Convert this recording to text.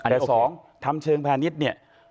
แต่๒ทำเชิงพาณิชย์เนี่ย